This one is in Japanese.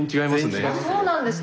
あっそうなんですか。